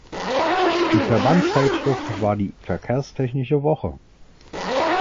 Die Verbandszeitschrift war die "Verkehrstechnische Woche".